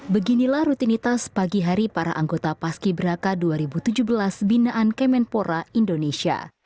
beginilah rutinitas pagi hari para anggota paski braka dua ribu tujuh belas binaan kemenpora indonesia